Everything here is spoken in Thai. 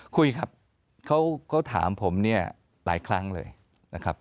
คุยครับเขาถามผมเนี่ยหลายครั้งเลยนะครับ